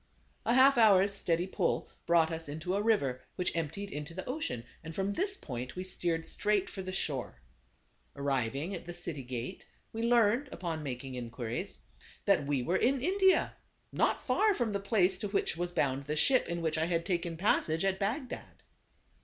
A half hour's steady pull brought us into a river which emptied into the ocean, and from this point we steered straight for the shore. Arriving at the city gate, we learned, upon making in 120 THE CARAVAN. quiries, that we were in India — not far from the place to which was bound the ship in which I had taken passage at Bagdad.